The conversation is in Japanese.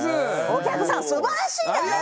お客さんすばらしいね。